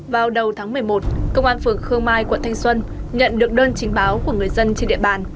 vào đầu tháng một mươi một công an phường khương mai quận thanh xuân nhận được đơn chính báo của người dân trên địa bàn